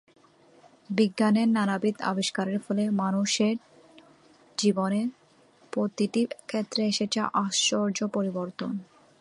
বিজ্ঞানের নানাবিধ আবিষ্কারের ফলে মানুষেড় জীবনের প্রতিটি ক্ষেত্রে এসেছে আশ্চর্য পরিবর্তন।